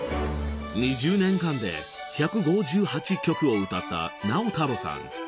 ［２０年間で１５８曲を歌った直太朗さん］